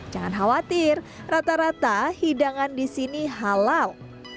jangan khawatir rata rata hidangan di sini halal